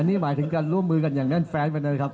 อันนี้หมายถึงการร่วมมือกันอย่างนั้นแฟนไปหน่อยครับ